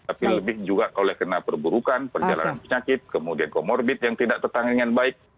tapi lebih juga kalau kena perburukan perjalanan penyakit kemudian comorbid yang tidak tertanggung baik